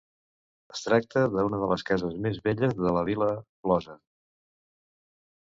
Es tracta d'una de les cases més velles de la vila closa.